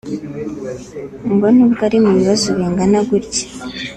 ngo nubwo ari mu bibazo bingana gutya